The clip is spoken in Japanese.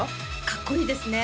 かっこいいですね